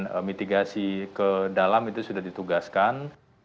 dan mitigasi ke dalam itu sudah ditugaskan